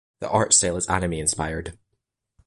Its art style is anime-inspired.